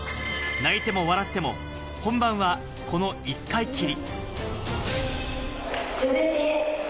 泣いても笑っても本番はこの１回きり。